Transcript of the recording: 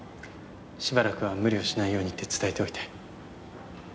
しばらくは無理をしないようにって伝えておいて。